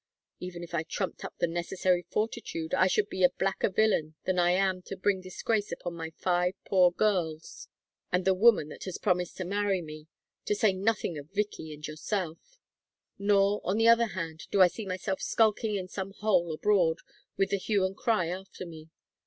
Even if I trumped up the necessary fortitude I should be a blacker villain than I am to bring disgrace upon my five poor girls and the woman that has promised to marry me, to say nothing of Vicky and yourself. Nor, on the other hand, do I see myself skulking in some hole abroad with the hue and cry after me.